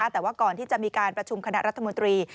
แต่ว่าก่อนที่จะมีการประชุมคณะรัฐมนตรี